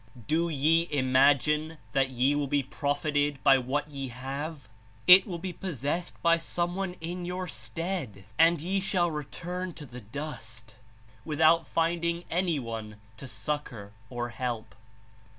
"Do ye imagine that ye will be profited by what ye have? It will be possessed by some one in your stead, and ye shall return to the dust without find ing any one to succor or help.